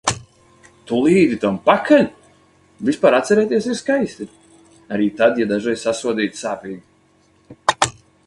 Tu līdi tam pakaļ? Vispār atcerēties ir skaisti. Arī tad, ja dažreiz sasodīti sāpīgi.